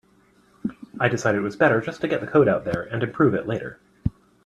I decided it was better to just get the code out there and improve it later.